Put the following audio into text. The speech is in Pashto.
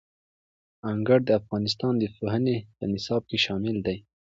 انګور د افغانستان د پوهنې په نصاب کې شامل دي.